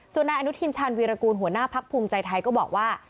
ส่วนนายอนุทินชาญวีรกูลหัวหน้าพักภูมิใจไทยก็บอกว่า